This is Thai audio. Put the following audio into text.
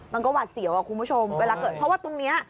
มันก็หวาดเสียวคุณผู้ชมเวลาเกิดเพราะว่าตรงนี้